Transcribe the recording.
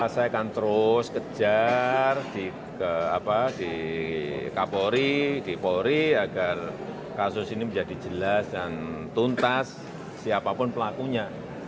saya akan terus kejar di kapolri di polri agar kasus ini menjadi jelas dan tuntas siapapun pelakunya